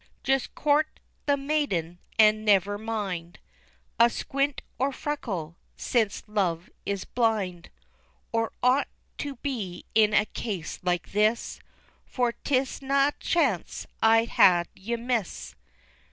Just coort the maiden, an' never mind A squint or freckle, since luve is blind, Or ought to be in a case like this, For 'tis na' a chance I'd hae ye miss.